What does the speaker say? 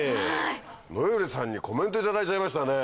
野依さんにコメント頂いちゃいましたね。